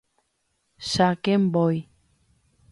Cháke mbói